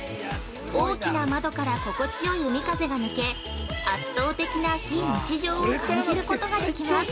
大きな窓から心地よい海風が抜け、圧倒的な非日常を感じることができます。